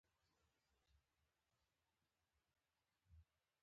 وسله له خلکو قرباني اخلي